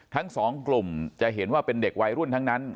ทั้งสองกลุ่มจะเห็นว่าเป็นเด็กวัยรุ่นทั้งนั้น